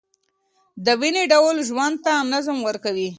دویني ډول ژوند ته نظم ورکوي.